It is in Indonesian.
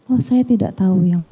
oh saya tidak tahu yang mulia